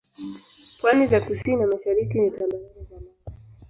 Pwani za kusini na mashariki ni tambarare za lava.